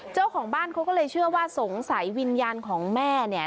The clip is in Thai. เจ้าของบ้านเขาก็เลยเชื่อว่าสงสัยวิญญาณของแม่เนี่ย